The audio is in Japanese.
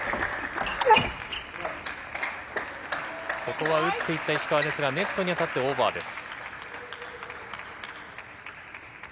ここは打っていった石川ですが、ネットに当たってオーバーです。